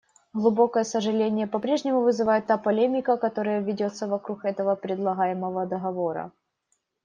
Глубокое сожаление по-прежнему вызывает та полемика, которая ведется вокруг этого предлагаемого договора.